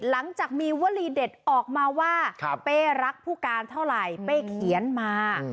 หลังจากมีวลีเด็ดออกมาว่าเป้รักผู้การเท่าไหร่เป้เขียนมา